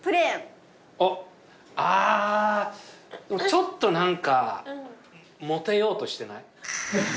ちょっと何かモテようとしてない？